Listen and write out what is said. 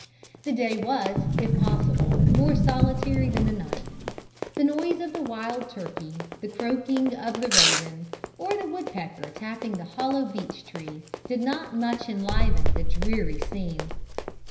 "The day was, if possible, more solitary than the night. The noise of the wild turkey, the croaking of the raven, or the woodpecker tapping the hollow beech tree, did not much enliven the dreary scene.